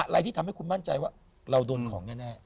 อะไรที่ทำให้คุณมั่นใจว่าเราโดนของแน่